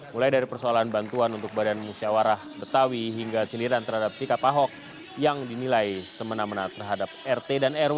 mulai dari persoalan bantuan untuk badan musyawarah betawi hingga siliran terhadap sikap ahok yang dinilai semena mena terhadap rt dan rw